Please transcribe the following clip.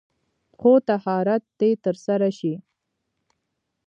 خو طهارت دې تر سره شي.